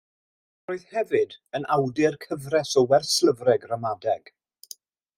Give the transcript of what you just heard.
Roedd hefyd yn awdur cyfres o werslyfrau gramadeg.